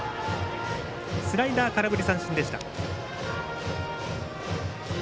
スライダー、空振り三振でした。